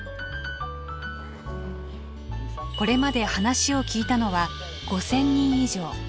これまで話を聞いたのは５，０００人以上。